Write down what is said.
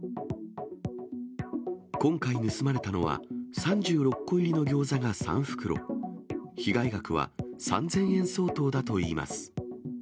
今回盗まれたのは、３６個入りのギョーザが３袋、被害額は３０００円相当だといいます。